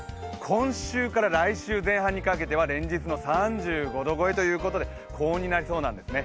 今週から来週前半にかけては連日の３５度超えということで高温になりそうなんですね。